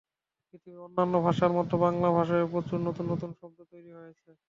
পৃথিবীর অন্যান্য ভাষার মতো বাংলা ভাষায়ও প্রচুর নতুন নতুন শব্দ তৈরি হয়েছে।